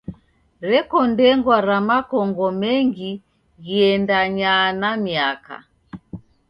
Reko ndengwa ra makongo mengi ghiendanyaa na miaka.